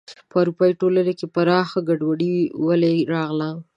په اروپايي ټولنې کې پراخه ګډوډي ولې راغله.